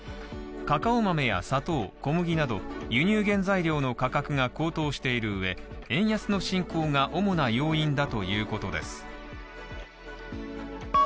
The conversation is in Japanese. カカオ豆や砂糖、小麦など輸入原材料の価格が高騰しているうえ円安の進行が主な要因だということです。